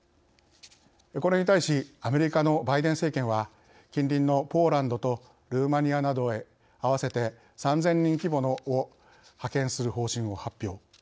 これに対しアメリカのバイデン政権は近隣のポーランドとルーマニアなどへ合わせて３０００人規模を派遣する方針を発表。